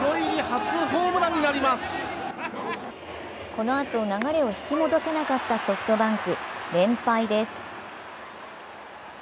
このあと、流れを引き戻せなかったソフトバンク、連敗です。